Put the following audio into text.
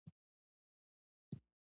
د یو بل لاس ونیسئ.